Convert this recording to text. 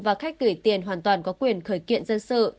và khách gửi tiền hoàn toàn có quyền khởi kiện dân sự